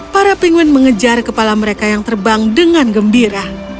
para penguin mengejar kepala mereka yang terbang dengan gembira